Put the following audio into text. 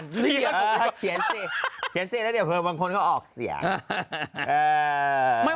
ใช้ทีแล้วบางคนก็ออกเสียง